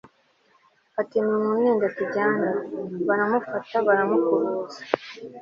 ati 'nimundine tujyane.' baramufasha baramukubuza